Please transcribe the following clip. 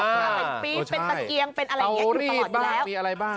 อ่าเป็นตะเกียงเป็นอะไรอยู่ตลอดอยู่แล้วมีอะไรบ้าง